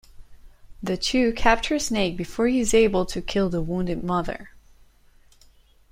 The two capture Snake before he is able to kill the wounded Mother.